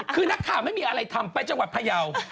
คือนักข่าวไม่มีอะไรทำไปจังหวัดพยาว